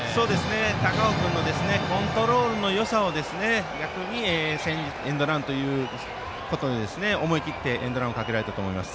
高尾君のコントロールのよさを逆にエンドランということで思い切ってエンドランをかけられたと思います。